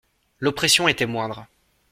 L'oppression était moindre.